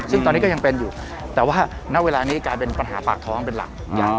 ซึ่งตอนนี้ก็ยังเป็นอยู่แต่ว่าณเวลานี้กลายเป็นปัญหาปากท้องเป็นหลัก